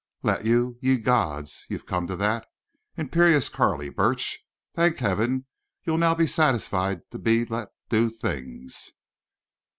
"Let you? Ye gods! So you've come to that? Imperious Carley Burch!... Thank Heaven, you'll now be satisfied to be let do things."